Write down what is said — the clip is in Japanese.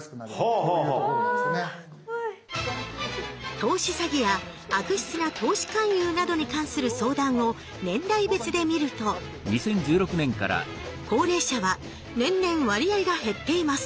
「投資詐欺や悪質な投資勧誘などに関する相談」を年代別で見ると高齢者は年々割合が減っています。